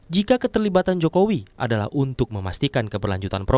jika keterlibatan jokowi adalah untuk memastikan keberlanjutan